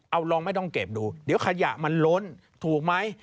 เอาลองไม่ต้องเก็บดูเดี๋ยวขยะมันล้นถูกไหม